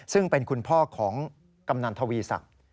ซึ่งเป็นคุณพ่อของกำนันทวีศักดิ์